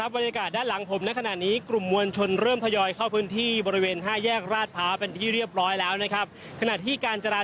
บรรยากาศด้านหลังผมในขณะนี้กลุ่มมวลชนเริ่มทยอยเข้าพื้นที่